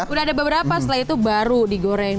udah ada beberapa setelah itu baru digoreng